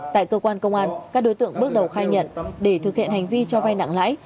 tại cơ quan công an các đối tượng bước đầu khai nhận để thực hiện hành vi cho vay nặng lãi